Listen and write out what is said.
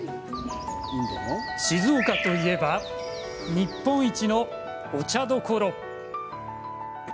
静岡といえば日本一のお茶どころ。